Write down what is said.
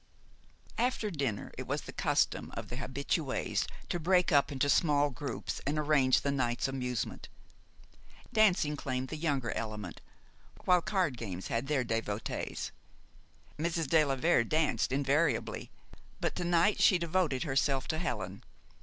After dinner it was the custom of the habitués to break up into small groups and arrange the night's amusement. Dancing claimed the younger element, while card games had their devotees. Mrs. de la Vere danced invariably; but to night she devoted herself to Helen.